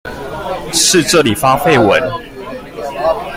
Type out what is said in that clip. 是這裡發廢文？